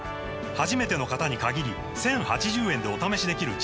初めての方に限り１０８０円でお試しできるチャンスです